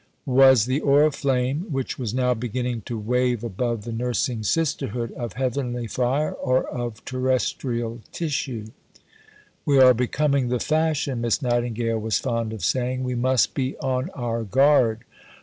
Was the oriflamme, which was now beginning to wave above the nursing sisterhood, "of heavenly fire, or of terrestrial tissue?" "We are becoming the fashion," Miss Nightingale was fond of saying; "we must be on our guard.